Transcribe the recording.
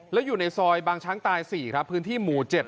แล้วอยู่ในซอยบางช้างตาย๔ครับพื้นที่หมู่๗